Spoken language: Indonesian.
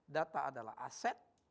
data adalah aset